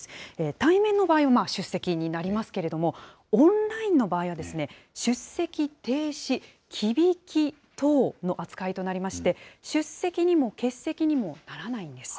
対面の場合は出席になりますけれども、オンラインの場合は、出席停止・忌引等の扱いとなりまして、出席にも欠席にもならないんです。